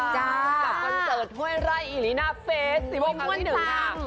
กับคอนเสิร์ตห่วยไร่อิรินาเฟซ๑๖คันที่๑ค่ะ